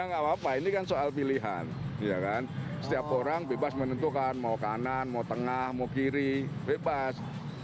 enggak apa apa ini kan soal pilihan setiap orang bebas menentukan mau kanan mau tengah mau kiri bebas